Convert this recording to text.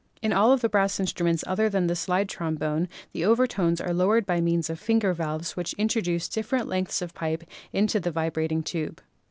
In all the brass instruments other than the slide trom bone the overtones are lowered by means of finger valves which introduce different lengths of pipe into the vibrat ing tube.